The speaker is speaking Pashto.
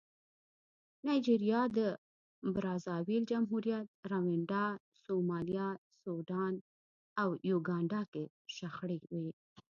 نایجریا، د برازاویل جمهوریت، رونډا، سومالیا، سوډان او یوګانډا کې شخړې وې.